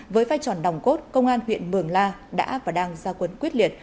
với vai tròn đồng cốt công an huyện mường la đã và đang ra quấn quyết liệt